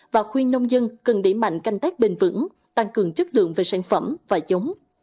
và khuyên nông dân cần đẩy mạnh canh tác bền vững tăng cường chất lượng về sản phẩm và giống